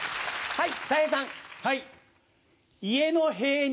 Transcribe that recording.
はい。